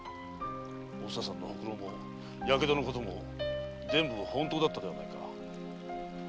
おふささんのホクロもヤケドのことも全部本当だったではないか。